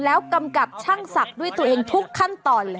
แล้วกำกับช่างศักดิ์ด้วยตัวเองทุกขั้นตอนเลย